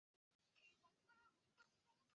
但大多是基于一日八次诵念的方式来进行。